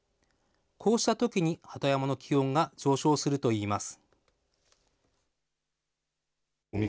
こうしたときに鳩山の気温が上昇するといいます。